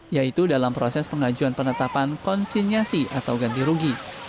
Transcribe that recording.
yaitu dalam proses pengajuan penetapan konsinyasi atau ganti rugi